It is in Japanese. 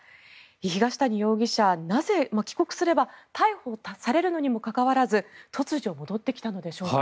東谷容疑者、なぜ帰国すれば逮捕されるのにもかかわらず突如、戻ってきたのでしょうか。